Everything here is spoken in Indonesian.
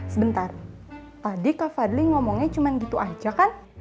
sebentar tadi kak fadli ngomongnya cuma gitu aja kan